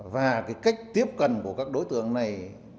và cái cách tiếp cận của các đối tượng này